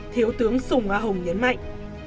thiếu tướng sùng nga hồng nhấn mạnh